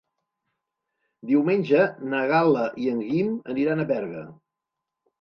Diumenge na Gal·la i en Guim aniran a Berga.